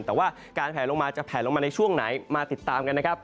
แต่ว่าการแผลลงมาจะแผลลงมาในช่วงไหนมาติดตามกันนะครับ